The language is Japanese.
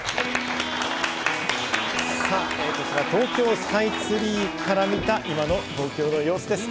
こちら東京スカイツリーから見た今の東京の様子です。